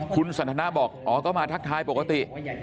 คุณสันทนาบอกอ๋อก็มาทักทายปกติ